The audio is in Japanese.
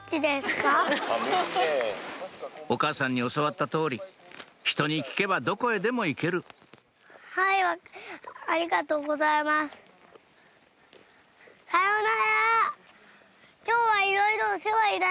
お母さんに教わった通りひとに聞けばどこへでも行けるさようなら。